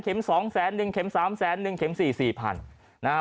เข็ม๒แสน๑เข็ม๓แสน๑เข็ม๔มี๔๐๐๐นนะฮะ